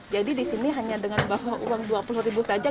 jadi di sini hanya dengan bahwa uang rp dua puluh saja